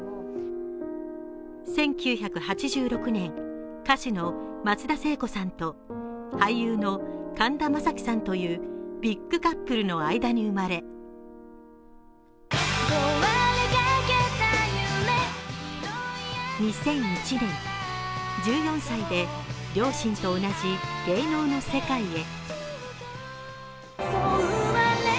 １９８６年、歌手の松田聖子さんと俳優の神田正輝さんというビッグカップルの間に生まれ２００１年、１４歳で両親と同じ芸能の世界へ。